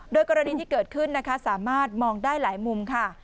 โดยกรณีที่เกิดขึ้นนะคะสามารถมองได้หลายมุมค่ะ